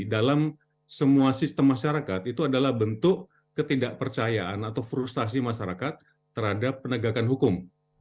dalam semua sistem masyarakat itu adalah bentuk ketidakpercayaan atau frustasi masyarakat terhadap penegakan hukum